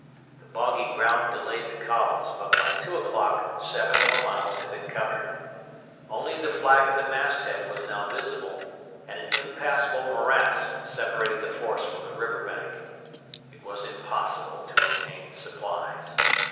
The boggy ground delayed the columns, but by two o'clock seven more miles had been covered. Only the flag at the masthead was now visible; and an impassable morass separated the force from the river bank. It was impossible to obtain supplies.